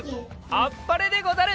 あっぱれでござる！